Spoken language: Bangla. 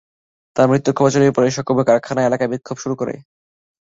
তাঁর মৃত্যুর খবর ছড়িয়ে পড়লে সহকর্মীরা কারখানা এলাকায় বিক্ষোভ শুরু করে।